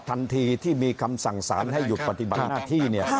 ทันทีที่มีคำสั่งสารให้หยุดปฏิบัติหน้าที่เนี่ย